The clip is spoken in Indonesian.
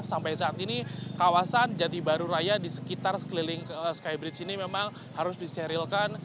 sampai saat ini kawasan jati baru raya di sekitar sekeliling skybridge ini memang harus disterilkan